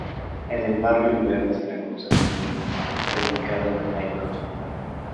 En el barrio Oliver de Zaragoza tiene dedicada una calle con su nombre.